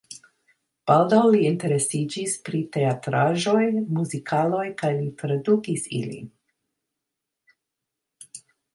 Baldaŭ li interesiĝis pri teatraĵoj, muzikaloj kaj li tradukis ilin.